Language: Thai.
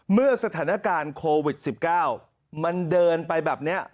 เมื่อสถานการณ์โควิด๑๙มันเดินไปแบบนี้